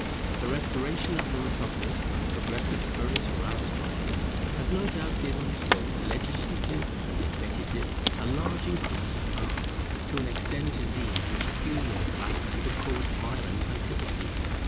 The restoration of the republic and the progressive spirit aroused by it has no doubt given to both legislative and executive a large increase of power: to an extent indeed which a few years back would have caused violent antipathy.